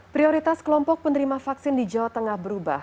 prioritas kelompok penerima vaksin di jawa tengah berubah